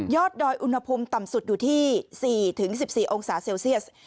ดอยอุณหภูมิต่ำสุดอยู่ที่๔๑๔องศาเซลเซียส